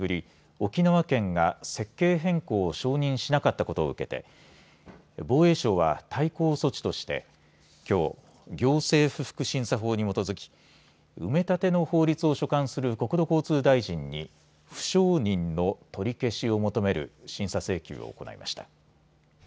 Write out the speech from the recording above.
沖縄県が設計変更を承認しなかったことを受けて防衛省は対抗措置としてきょう、行政不服審査法に基づき埋め立ての法律を所管する国土交通大臣に不承認の取り消しを求める審査請求を行いました。